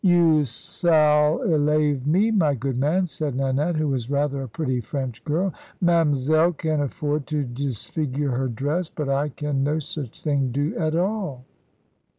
"You sall elave me, my good man," said Nanette, who was rather a pretty French girl; "Mamselle can afford to defigure her dress; but I can no such thing do at all."